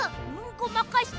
ごまかした！